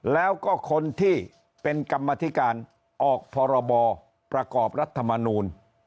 แล้วก็คนที่เป็นกรรมธิการออกพรบประกอบรัฐมนูล